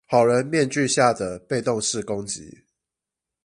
好人面具下的被動式攻擊